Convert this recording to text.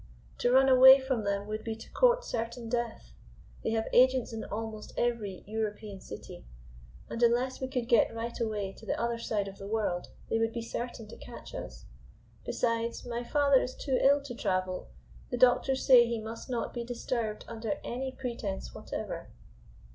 "To run away from them would be to court certain death. They have agents in almost every European city, and, unless we could get right away to the other side of the world, they would be certain to catch us. Besides my father is too ill to travel. The doctors say he must not be disturbed under any pretence whatever."